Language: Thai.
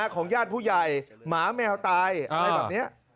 ของญาติผู้ใหญ่หมาแมวตายอะไรแบบนี้